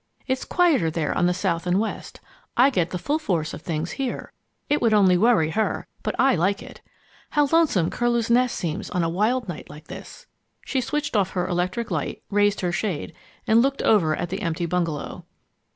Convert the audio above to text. "It's quieter there on the south and west. I get the full force of things here. It would only worry her, but I like it. How lonesome Curlew's Nest seems on a wild night like this!" She switched off her electric light, raised her shade, and looked over at the empty bungalow.